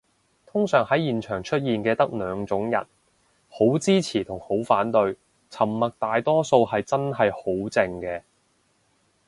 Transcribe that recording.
通常喺現場出現嘅得兩種人，好支持同好反對，沉默大多數係真係好靜嘅